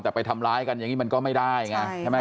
แต่ไปทำร้ายกันอย่างนี้มันก็ไม่ได้ไงใช่ไหม